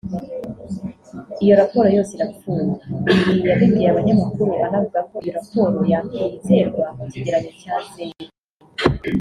Iyo raporo yose irapfuye » ibi yabibwiye abanyamakuru anavuga ko iyo raporo yakwizerwa ku kigereranyo cya Zeru